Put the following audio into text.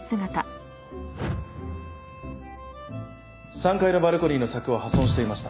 ３階のバルコニーの柵は破損していました。